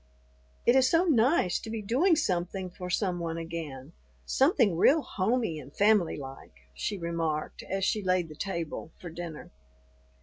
"It is so nice to be doing something for some one again, something real homey and family like," she remarked as she laid the table for dinner.